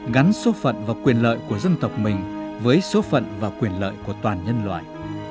gắn số phận và quyền lợi của dân tộc mình với số phận và quyền lợi của toàn nhân loại